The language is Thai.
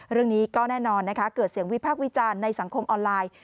เรื่องนี้ก็แน่นอนนะคะเกิดเสียงวิพากษ์วิจารณ์ในสังคมออนไลน์